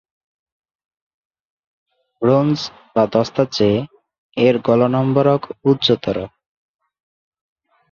Bronze বা দস্তার চেয়ে এর গলনম্বরক উচ্চতর।